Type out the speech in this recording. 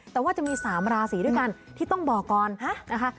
แต่ว่าจะมี๓ราศีด้วยกันที่ต้องบอกก่อนนะคะ